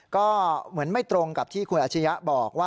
ก็เหมือนไม่ตรงกับที่คุณอาชียะบอกว่า